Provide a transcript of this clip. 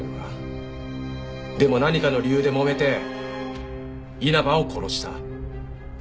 でも何かの理由でもめて稲葉を殺した。